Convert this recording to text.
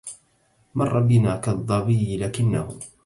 مر بنا كالظبي لكنه